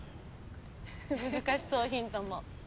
難しそうヒントも。